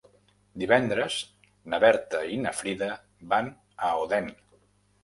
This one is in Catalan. Divendres na Berta i na Frida van a Odèn.